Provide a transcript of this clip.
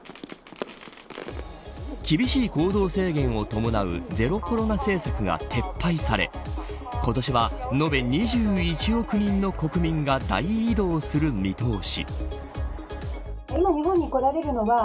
厳しい行動制限を伴うゼロコロナ政策が撤廃され今年は延べ２１億人の国民が大移動する見通し。